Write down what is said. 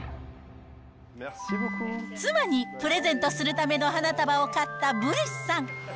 妻にプレゼントするための花束を買ったブリスさん。